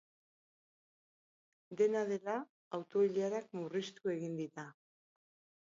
Dena dela, auto-ilarak murriztu egin dira.